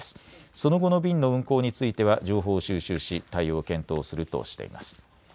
その後の便の運航については情報収集し対応を検討するとしています。